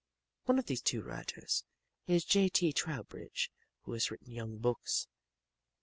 One of these two writers is J. T. Trowbridge who has written young books.